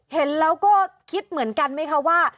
เห็นแล้วก็คิดเหมือนกันไหมคะว่า